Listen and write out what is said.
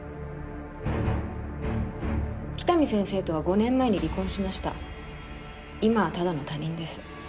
喜多見先生とは５年前に離婚しました今はただの他人です